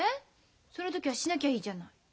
その時はしなきゃいいじゃない。